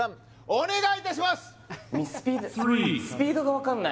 お願い！